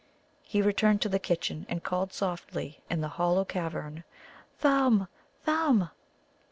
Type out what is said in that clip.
He returned to the kitchen, and called softly in the hollow cavern, "Thumb, Thumb!"